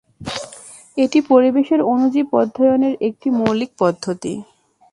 এটি পরিবেশের অণুজীব অধ্যয়নের একটি মৌলিক পদ্ধতি।